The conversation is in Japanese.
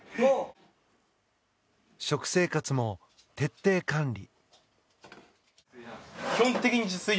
食生活も徹底管理。